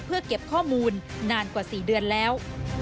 เพื่อเก็บข้อมูลนานกว่า๔เดือนแล้ว